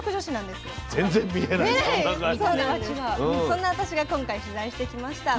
そんな私が今回取材してきました。